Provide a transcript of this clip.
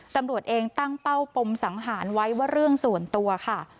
ตำรวจเองตั้งเป้าปมสังหารไว้ว่าเรื่องส่วนตัวค่ะ